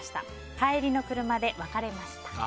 帰りの車で別れました。